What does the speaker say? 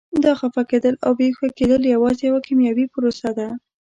دا خفه کېدل او بې هوښه کېدل یوازې یوه کیمیاوي پروسه ده.